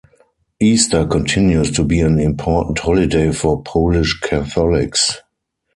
Easter continues to be an important holiday for Polish Catholics.